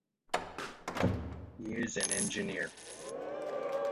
He is an engineer.